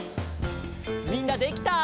みんなできた？